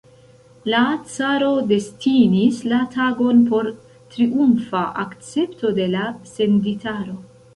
La caro destinis la tagon por triumfa akcepto de la senditaro.